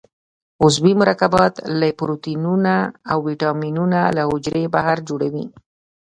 عضوي مرکبات لکه پروټینونه او وېټامینونه له حجرې بهر جوړیږي.